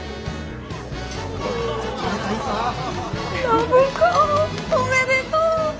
暢子おめでとう！